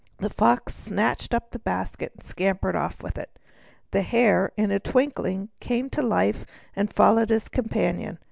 The Fox snatched up the basket and scampered off with it. The Hare in a twinkling came to life, and followed his companion.